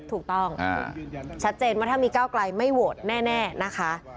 ถูกต้องชัดเจนว่าถ้ามีก้าวไกลไม่โหวตแน่นะคะ